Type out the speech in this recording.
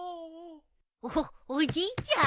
おおじいちゃん？